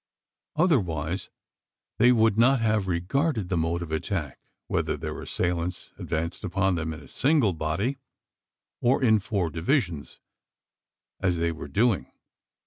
Otherwise, they would not have regarded the mode of attack whether their assailants advanced upon them in a single body, or in four divisions, as they were doing.